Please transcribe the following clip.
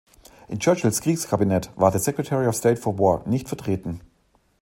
In Churchills Kriegskabinett war der "Secretary of State for War" nicht vertreten.